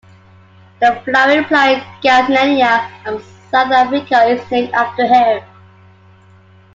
The flowering plant Gazania, of southern Africa, is named after him.